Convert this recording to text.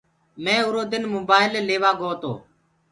مينٚ اُرو دن موبآئيل ليوآ گو تو۔